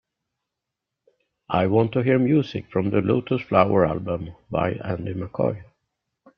I want to hear music from the Lotus Flower album by Andy Mccoy